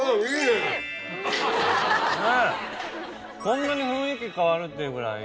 こんなに雰囲気変わる？っていうぐらい。